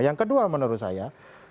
yang kedua menurut saya